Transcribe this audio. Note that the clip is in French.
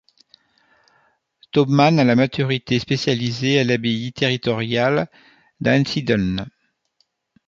Taubman a la maturité spécialisée à l'abbaye territoriale d'Einsiedeln.